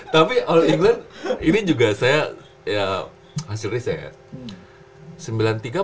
tapi all england ini juga saya ya hasil riset ya